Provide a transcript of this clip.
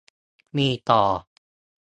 มีต่อ